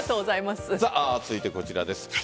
続いてこちらです。